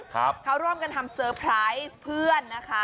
เขาร่วมกันทำเซอร์ไพรส์เพื่อนนะคะ